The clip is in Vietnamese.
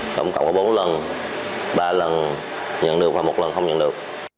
tổng cộng có bốn lần ba lần nhận được và một lần không nhận được